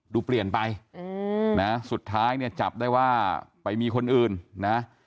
ดูเปลี่ยนไปนะสุดท้ายเนี่ยจับได้ว่าไปมีคนอื่นนะ